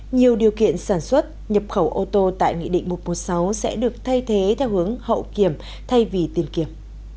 nhiều điều kiện sản xuất nhập khẩu ô tô tại nghị định một trăm một mươi sáu sẽ được thay thế theo hướng hậu kiểm thay vì tiền kiểm